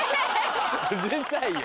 うるさいよ。